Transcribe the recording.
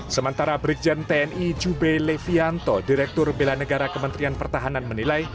sementara brigjen tni jube levianto direktur bela negara kementerian pertahanan menilai